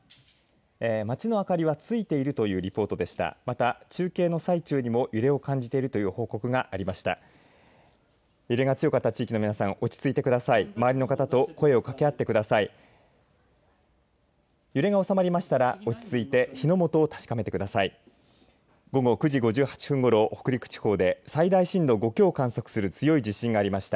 街の明かりはついているというリポートでした。